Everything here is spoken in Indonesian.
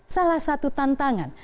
salah satu tantangan